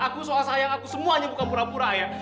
aku soal sayang aku semuanya bukan pura pura ya